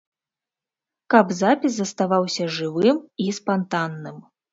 Каб запіс заставаўся жывым і спантанным.